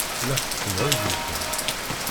La tettemɛujjutem.